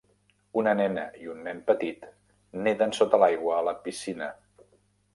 Una nena i un nen petit neden sota l'aigua a la piscina